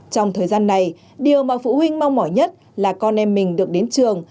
trong thời gian này điều mà phụ huynh mong mỏi nhất là con em mình được đến trường